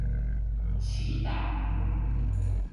祈禱